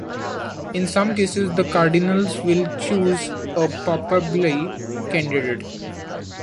In some cases the cardinals will choose a "papabile" candidate.